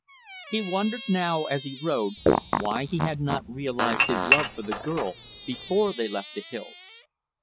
He wondered now, as he rode, why he had not realized his love for the girl, before they left the hills.